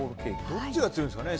どっちが強いんですかね？